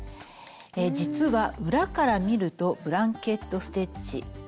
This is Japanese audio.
実は裏から見るとブランケット・ステッチ。